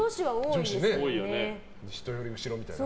人より後ろみたいな。